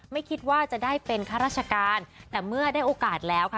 ไม่คิดว่าจะได้เป็นข้าราชการแต่เมื่อได้โอกาสแล้วค่ะ